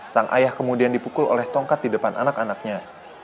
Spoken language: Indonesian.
sang ayah kemudian dipukul oleh tongkat di depan anak anaknya